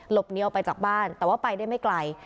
บเหนียวไปจากบ้านแต่ว่าไปได้ไม่ไกล